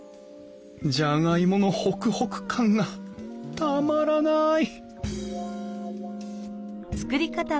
じゃがいものホクホク感がたまらない！